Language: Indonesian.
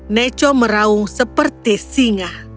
neco meraung seperti singa